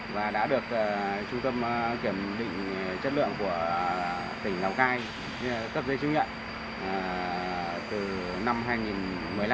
và đã được trung tâm kiểm định chất lượng của tỉnh lào cai cấp giấy chứng nhận từ năm hai nghìn một mươi năm